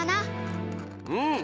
うん。